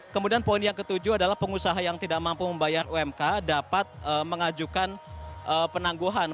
kemudian poin yang ketujuh adalah pengusaha yang tidak mampu membayar umk dapat mengajukan penangguhan